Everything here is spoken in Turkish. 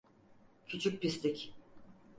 Küçük pislik.